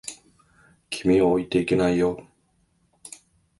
君を置いていけないよ。